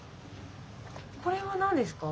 これは何ですか？